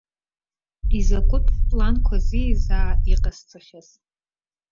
Изакәытә планқәази заа иҟасҵахьаз.